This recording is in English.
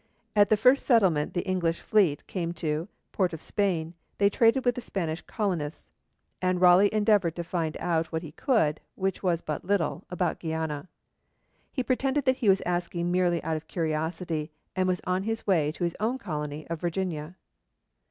At the first settlement the English fleet came to, Port of Spain, they traded with the Spanish colonists, and Raleigh endeavoured to find out what he could, which was but little, about Guiana. He pretended that he was asking merely out of curiosity, and was on his way to his own colony of Virginia.